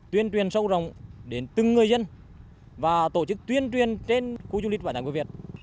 tuyên truyền sâu rộng đến từng người dân và tổ chức tuyên truyền trên khu du lịch bảo đảm của việt